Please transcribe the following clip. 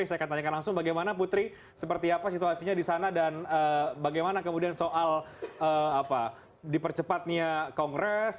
saya akan tanyakan langsung bagaimana putri seperti apa situasinya di sana dan bagaimana kemudian soal dipercepatnya kongres